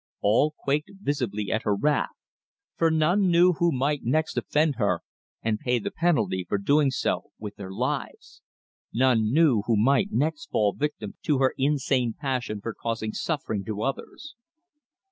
All quaked visibly at her wrath, for none knew who might next offend her and pay the penalty for so doing with their lives: none knew who might next fall victim to her insane passion for causing suffering to others.